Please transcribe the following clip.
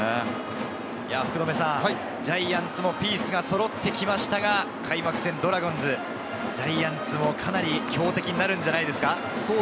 ジャイアンツのピースがそろってきましたが、開幕戦ドラゴンズ、ジャイアンツはかなり強敵になるんじゃないですか。